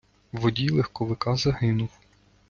Водій легковика загинув.